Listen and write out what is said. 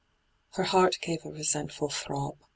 Her heart gave a resentiul throb.